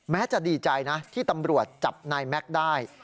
จะดีใจนะที่ตำรวจจับนายแม็กซ์ได้